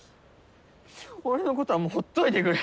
俺のことはもうほっといてくれ。